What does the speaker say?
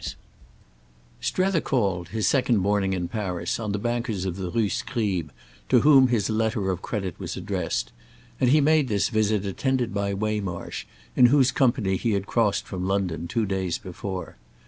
II Strether called, his second morning in Paris, on the bankers of the Rue Scribe to whom his letter of credit was addressed, and he made this visit attended by Waymarsh, in whose company he had crossed from London two days before.